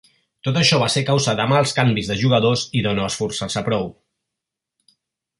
Tot això va ser causa de mals canvis de jugadors i de no esforçar-se prou.